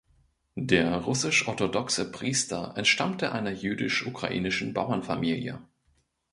Der russisch-orthodoxe Priester entstammte einer jüdisch-ukrainischen Bauernfamilie.